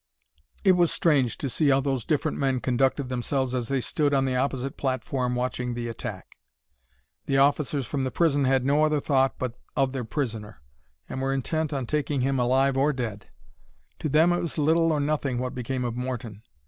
It was strange to see how those different men conducted themselves as they stood on the opposite platform watching the attack. The officers from the prison had no other thought but of their prisoner, and were intent on taking him alive or dead. To them it was little or nothing what became of Morton.